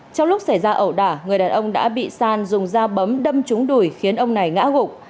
trong lúc xảy ra ẩu đả người đàn ông đã bị san dùng dao bấm đâm trúng đùi khiến ông này ngã gục